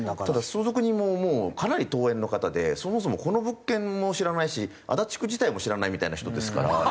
ただ相続人ももうかなり遠縁の方でそもそもこの物件も知らないし足立区自体も知らないみたいな人ですから。